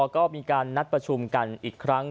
ก็มีการนัดประชุมกันอีกครั้ง